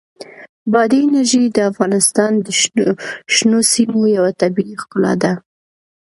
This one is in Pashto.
بادي انرژي د افغانستان د شنو سیمو یوه طبیعي ښکلا ده.